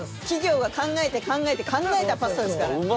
企業が考えて考えて考えたパスタですから。